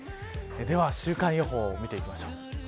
では週間予報を見ていきます。